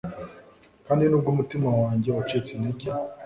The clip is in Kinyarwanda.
Kandi nubwo umutima wanjye wacitse intege